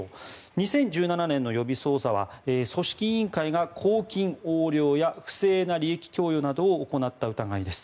２０１７年の予備捜査は組織委員会が公金横領や不正な利益供与などを行った疑いです。